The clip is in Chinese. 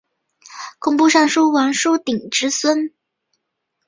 工部尚书王舜鼎之孙。